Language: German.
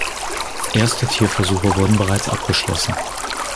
Erste Tierversuche wurden bereits abgeschlossen.